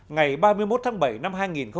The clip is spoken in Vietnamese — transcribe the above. ngày ba mươi một tháng bảy năm hai nghìn bảy